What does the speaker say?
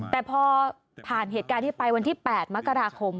แต่พอผ่านเหตุการณ์นี้ไปวันที่๘มกราคม